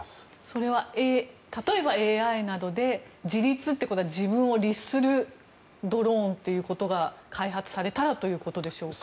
それは例えばＡＩなどで自律ということは自分を律するドローンということが開発されたらということでしょうか。